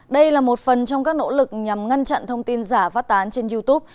đây là một phần trong các nỗ lực nhằm ngăn chặn thông tin giả phát tán trên youtube